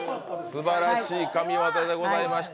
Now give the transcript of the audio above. すばらしい神業でございました。